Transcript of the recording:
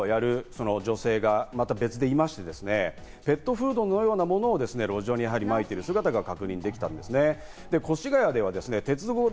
他にも餌をやる女性がまた別でいまして、ペットフードのようなものを路上に撒いている姿が確認できたんですね。